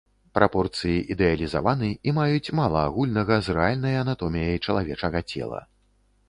Прапорцыі ідэалізаваны і маюць мала агульнага з рэальнай анатоміяй чалавечага цела.